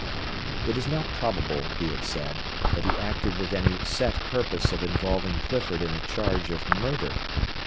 It is not probable, be it said, that he acted with any set purpose of involving Clifford in a charge of murder.